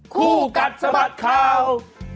คู่กัดสะบัดข่าว